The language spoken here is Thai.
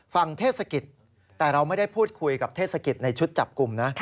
เทศกิจแต่เราไม่ได้พูดคุยกับเทศกิจในชุดจับกลุ่มนะ